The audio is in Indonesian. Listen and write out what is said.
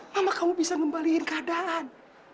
mama kamu bisa ngembalikan keadaan